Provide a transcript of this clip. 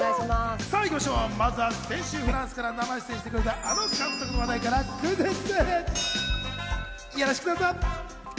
まずは先週、フランスから生出演してくれたあの監督の話題からクイズッス。